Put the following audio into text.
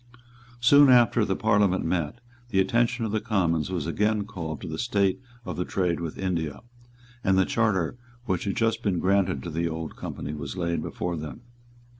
Soon after the Parliament met, the attention of the Commons was again called to the state of the trade with India; and the charter which had just been granted to the Old Company was laid before them.